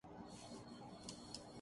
ن لیگ کمزور ہوتی ہے۔